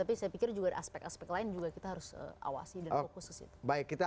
tapi saya pikir juga aspek aspek lain juga kita harus awasi dan fokus ke situ